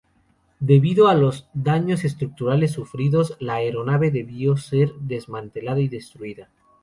Debido a los daños estructurales sufridos, la aeronave debió ser desmantelada y destruida.